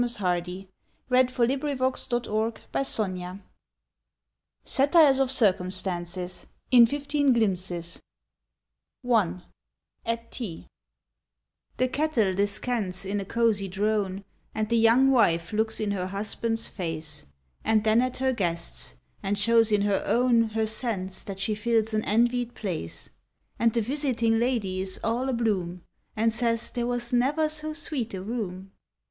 I am sorry, but I quite forgot It was your resting place." SATIRES OF CIRCUMSTANCES IN FIFTEEN GLIMPSES I AT TEA THE kettle descants in a cozy drone, And the young wife looks in her husband's face, And then at her guest's, and shows in her own Her sense that she fills an envied place; And the visiting lady is all abloom, And says there was never so sweet a room.